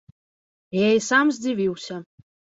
Я і сам здзівіўся.